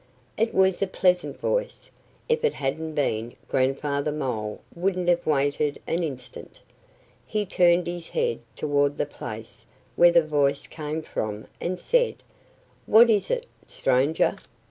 It was a pleasant voice. If it hadn't been, Grandfather Mole wouldn't have waited an instant. He turned his head toward the place where the voice came from and said, "What is it, stranger?